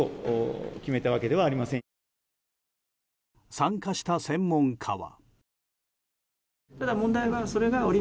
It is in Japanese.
参加した専門家は。